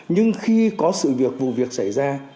nhưng khi có sự việc vụ việc xảy ra